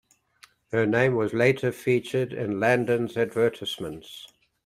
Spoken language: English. Her name was later featured in Landon's advertisements.